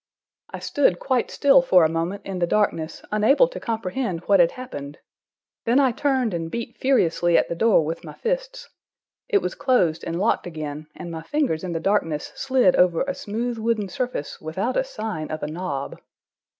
I stood quite still for a moment, in the darkness, unable to comprehend what had happened. Then I turned and beat furiously at the door with my fists. It was closed and locked again, and my fingers in the darkness slid over a smooth wooden surface without a sign of a knob.